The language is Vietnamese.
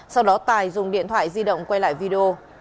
sau đó tài dùng điện thoại di động quay lại video